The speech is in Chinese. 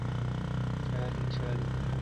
母彭氏。